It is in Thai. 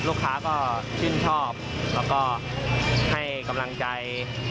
ลูกค้าก็ชื่นชอบแล้วก็ให้กำลังใจ